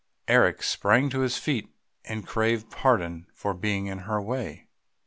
Eric sprang to his feet and craved pardon for being in her way.